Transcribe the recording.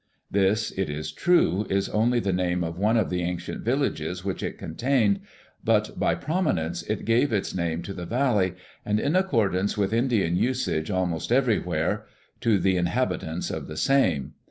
This, it is true, is only the name of one of the ancient villages which it contained; but by prominence it gave its name to the valley, and in accordance with Indian usage almost everywhere, to the inhabitants of the same.